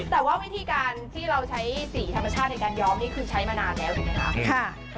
แต่ว่าวิธีการที่เราใช้สีธรรมชาติในการย้อมนี่คือใช้มานานแล้วถูกไหมคะ